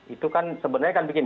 itu kan sebenarnya kan begini